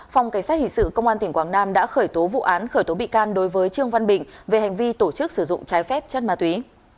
phòng cảnh sát hình sự công an tỉnh quảng nam đã khởi tố vụ án khởi tố bị can đối với trương văn bình về hành vi tổ chức sử dụng trái phép chất ma túy